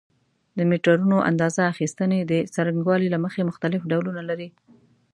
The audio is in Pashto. د میټرونو اندازه اخیستنې د څرنګوالي له مخې مختلف ډولونه لري.